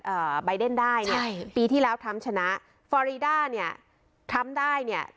เอ่อใบเด้นได้เนี่ยปีที่แล้วทำชนะเนี่ยทำได้เนี่ย